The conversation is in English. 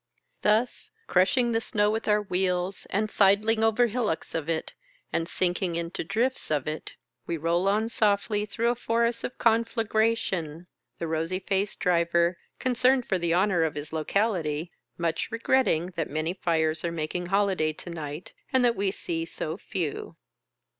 Thus, crushing the snow with our wheels, and sidling over hil locks of it, and sinking into drifts of it, we roll on softly through a forest of conflagration ; the rosy faced driver, concerned for the honour of his locality, much regretting that many fires are making hoUday to night, and that we see so few.